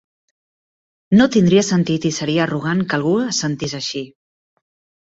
No tindria sentit i seria arrogant que algú es sentís així.